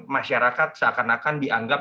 masyarakat seakan akan dianggap